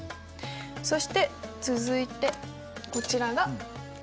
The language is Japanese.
そして続いてこちらがイラン。